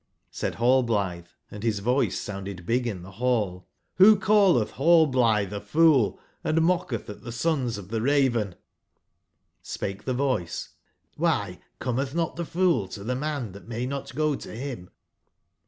"j^ Said nallblitbe, and bis voice sounded big in tbe ball: '*CClbo calletb Rallblitbe a fool and mochetb at tbe sons of tbe Raven ?"j^S pake tbe voice: ''^by cometb not tbe fool to tbe man tbat may not go to bim